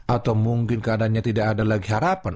atau mungkin keadaannya tidak ada lagi harapan